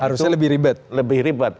harusnya lebih ribet